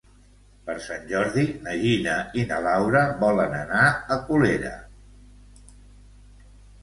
Per Sant Jordi na Gina i na Laura volen anar a Colera.